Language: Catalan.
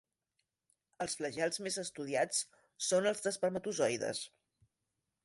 Els flagels més estudiats són els d'espermatozoides.